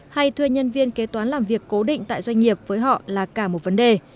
hay thuê nhân viên kế toán làm việc cố định tại doanh nghiệp với họ là cả một vấn đề